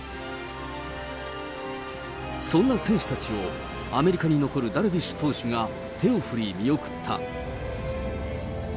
そんな選手たちを、アメリカに残るダルビッシュ投手が、手を振り見送った。